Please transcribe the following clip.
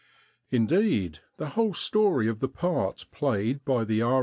Indeed the whole story of the part played by the R.